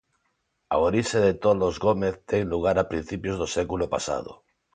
A orixe de Toldos Gómez ten lugar a principios do século pasado.